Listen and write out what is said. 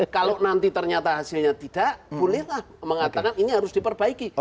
kalau nanti ternyata hasilnya tidak bolehlah mengatakan ini harus diperbaiki